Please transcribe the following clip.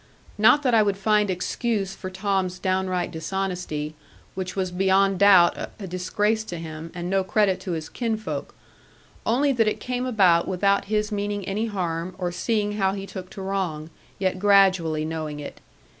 Not that I would find excuse for Tom's downright dishonesty, which was beyond doubt a disgrace to him, and no credit to his kinsfolk; only that it came about without his meaning any harm or seeing how he took to wrong; yet gradually knowing it.